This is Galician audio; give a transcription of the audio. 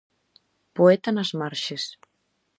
Poeta nas marxes.